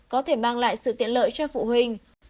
có thể mang lại sự tiện lợi cho phụ huynh